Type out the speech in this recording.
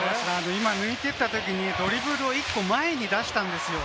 今抜いていったときにドリブルの１個前に出したんですよ。